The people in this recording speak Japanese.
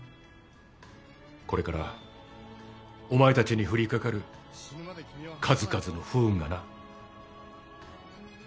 これからお前たちに降りかかる数々の不運がな。